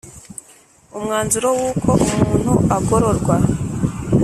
Umwanzuro w uko umuntu agororwa